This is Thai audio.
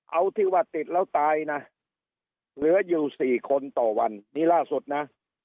เอาที่ว่าติดแล้วตายนะเหลืออยู่๔คนต่อวันนี้ล่าสุดนะ